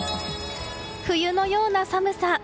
冬のような寒さ。